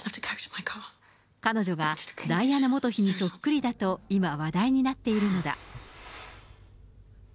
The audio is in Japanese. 彼女がダイアナ元妃にそっくりだと今、話題になっているのだ。